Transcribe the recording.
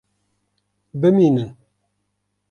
Bimînin!